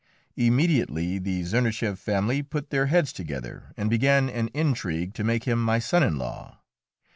Immediately the Czernicheff family put their heads together and began an intrigue to make him my son in law.